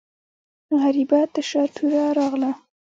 غریبه تشه توره راغله.